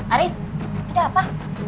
ari ada apa